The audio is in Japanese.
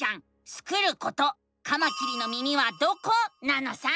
スクること「カマキリの耳はどこ？」なのさ！